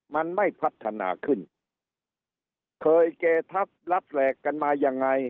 มันไม่พัฒนาขึ้นเคยเกทับรับแหลกกันมายังไง